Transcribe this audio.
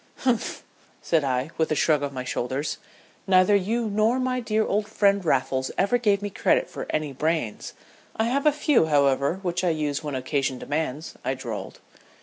"Humph!" said I, with a shrug of my shoulders. "Neither you nor my dear old friend Raffles ever gave me credit for any brains. I have a few, however, which I use when occasion demands," I drawled.